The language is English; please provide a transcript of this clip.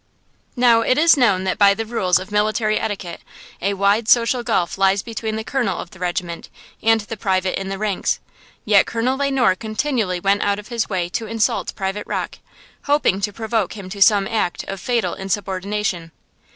Now, it is known that by the rules of military etiquette, a wide social gulf lies between the Colonel of the regiment and the private in the ranks. Yet, Colonel Le Noir continually went out of his way to insult Private Rocke, hoping to provoke him to some act of fatal insubordination.